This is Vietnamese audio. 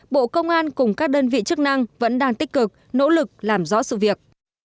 bộ công an cùng các đơn vị chức năng vẫn đang tích cực nỗ lực làm rõ sự việc